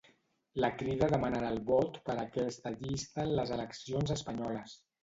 La Crida demanarà el vot per a aquesta llista en les eleccions espanyoles.